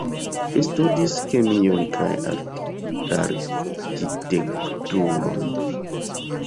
Li studis kemion kaj arkitekturon.